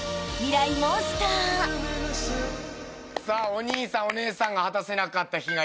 お兄さんお姉さんが果たせなかった比嘉